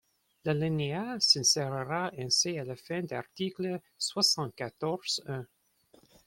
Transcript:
L’alinéa s’insérera ainsi à la fin de l’article soixante-quatorze-un.